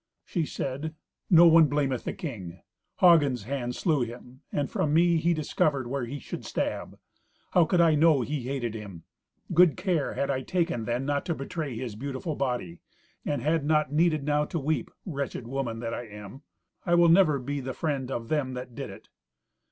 She said, "No one blameth the king. Hagen's hand slew him, and from me he discovered where he should stab. How could I know he hated him? Good care had I taken then not to betray his beautiful body, and had not needed now to weep, wretched woman that I am. I will never be the friend of them that did it."